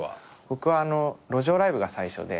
僕は路上ライブが最初で。